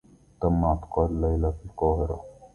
تمّ اعتقال ليلى في القاهرة.